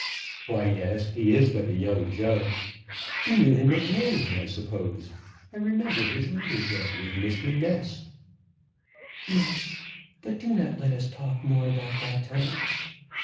"Why, yes. He's but a young judge. You knew him at Hamley, I suppose? I remember his reading there with Mr. Ness." "Yes, but do not let us talk more about that time.